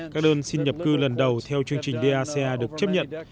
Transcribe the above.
các đơn xin nhập cư lần đầu theo chương trình d a c a được chấp nhận